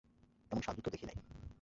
এমন সাধু তো দেখি নাই।